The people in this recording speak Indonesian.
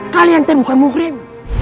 kalian tuh bukan mukrim